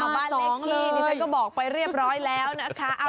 เอามาเล็กที่นี่เจ้าก็บอกไปเรียบร้อยแล้วนะคะ